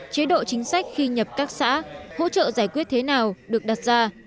chế độ chính sách khi nhập các xã hỗ trợ giải quyết thế nào được đặt ra